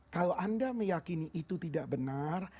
kalau anda meyakini itu tidak benar